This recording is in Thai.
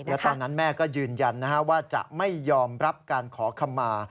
และตอนนั้นแม่ก็ยืนยันว่าจะไม่ยอมรับการขอคำมา